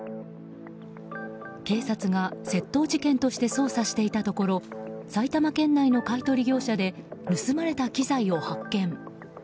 警察が窃盗事件として捜査していたところ埼玉県内の買い取り業者で盗まれた機材を発見。